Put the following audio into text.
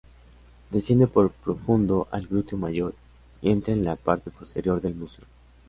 Desciende por profundo al glúteo mayor, y entra en la parte posterior del muslo.